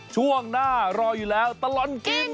ช่วงหน้ารออยู่แล้วตลอดกิน